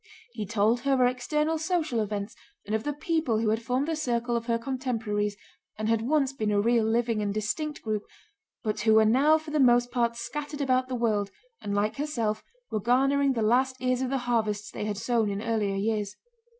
He told her of external social events and of the people who had formed the circle of her contemporaries and had once been a real, living, and distinct group, but who were now for the most part scattered about the world and like herself were garnering the last ears of the harvests they had sown in earlier years.